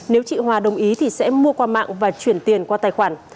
nếu chị hòa đồng ý thì sẽ mua qua mạng và chuyển tiền qua tài khoản